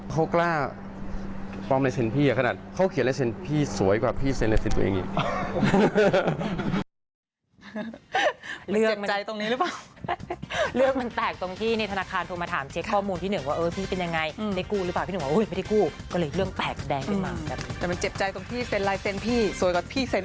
เขากล้าปลอมลายเซ็นต์พี่ขนาดเขาเขียนลายเซ็นต์พี่สวยกว่าพี่เซเลสินตัวเองอีก